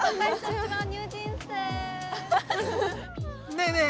ねえねえ